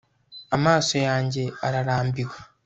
amaso yanjye ararambiwe